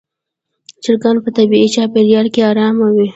چرګان په طبیعي چاپېریال کې آرام وي.